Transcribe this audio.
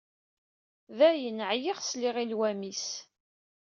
Dayen, ɛyiɣ i sliɣ i llwam-is.